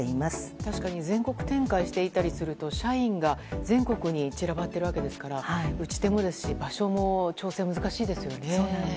確かに全国展開していたりすると社員が全国に散らばっているわけですから打ち手も場所も調整が難しいですよね。